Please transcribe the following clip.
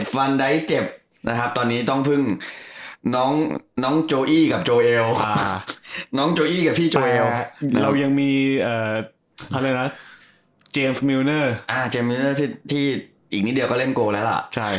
เจ็บฟันดายเจ็บนะครับตอนนี้ต้องพึ่งน้องน้องโจ้อีกับโจเอลอ่า